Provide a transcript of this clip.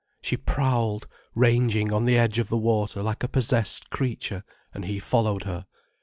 She prowled, ranging on the edge of the water like a possessed creature, and he followed her.